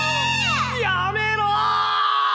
やめろ‼